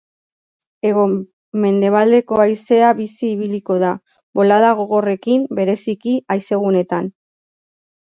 Hego-mendebaldeko haizea bizi ibiliko da, bolada gogorrekin, bereziki haizeguneetan.